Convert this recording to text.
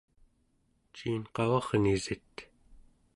ciin qavarnisit?